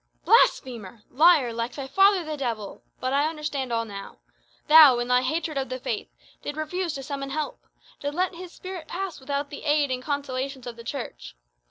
"Blasphemer! liar, like thy father the devil! But I understand all now. Thou, in thy hatred of the Faith, didst refuse to summon help didst let his spirit pass without the aid and consolations of the Church.